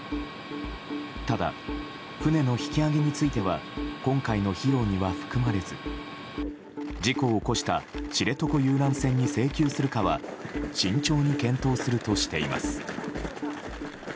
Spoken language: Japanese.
ただ、船の引き揚げについては今回の費用には含まれず事故を起こした知床遊覧船に請求するかは慎重に検討するとしています。